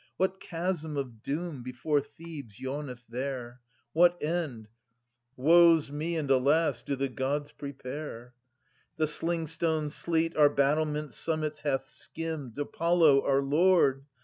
What chasm of doom before Thebes yawneth there ? What end — woe*s me and alas !— do the Gods prepare ? {Ant. 2) The slingstone sleet our battlement summits hath skimmed, Apollo, our Lord